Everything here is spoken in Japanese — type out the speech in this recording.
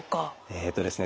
えっとですね